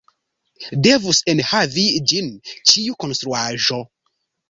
Devus enhavi ĝin ĉiu konstruaĵo.